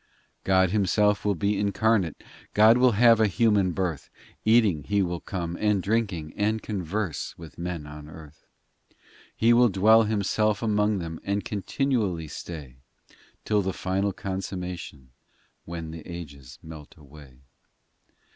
XI God Himself will be incarnate, God will have a human birth ; Eating, He will come, and drinking, And converse with men on earth. XII He will dwell Himself among them And continually stay, Till the final consummation When the ages melt away.